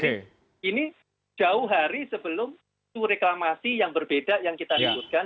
jadi ini jauh hari sebelum suhu reklamasi yang berbeda yang kita luluskan